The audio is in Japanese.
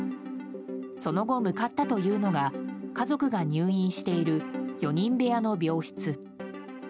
その後、向かったというのが家族が入院している４人部屋の病室。